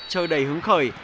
chơi đầy hứng khởi